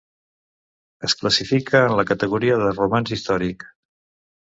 Es classifica en la categoria de romanç històric.